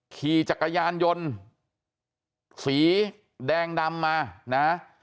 ขี่จักรยานยนต์สีแดงดำมานะ